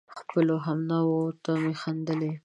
خپلو همنوعو ته مې خندلي دي